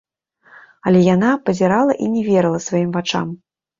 Але яна пазірала і не верыла сваім вачам.